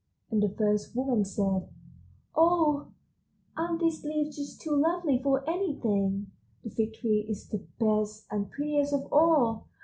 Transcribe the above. And the first woman said: 'Oh, aren't these leaves just too lovely for anything! The Fig tree is the best and prettiest of all.